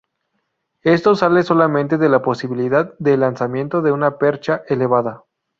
Esto sale solamente de la posibilidad del lanzamiento de una percha elevada.